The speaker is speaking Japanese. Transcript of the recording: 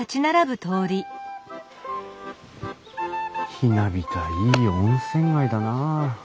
ひなびたいい温泉街だなあ。